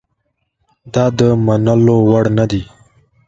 دا د منلو وړ نه دي.